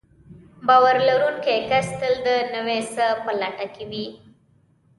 باور لرونکی کس تل د نوي څه په لټه کې وي.